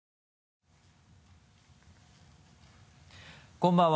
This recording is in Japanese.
こんばんは。